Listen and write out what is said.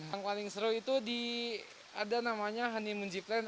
yang paling seru itu ada namanya honeymoon zipline